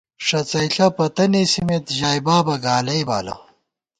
ݭڅئیݪہ پتہ نېسِمېت، ژائی بابہ گالئی بالہ